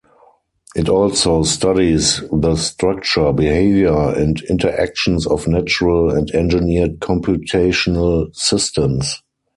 It also studies the structure, behavior, and interactions of natural and engineered computational systems.